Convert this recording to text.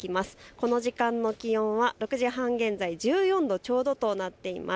この時間の気温は６時半現在１４度ちょうどとなっています。